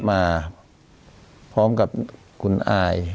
มาพร้อมกับคุณอาย